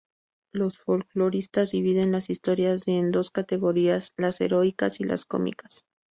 Los folcloristas dividen las historias de en dos categorías: las Heroicas y las Cómicas.